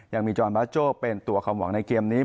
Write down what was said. ยังมีจอนบาโจ้เป็นตัวความหวังในเกมนี้